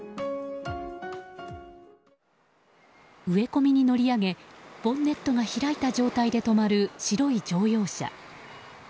植え込みに乗り上げボンネットが開いた状態で止まる白い乗用車。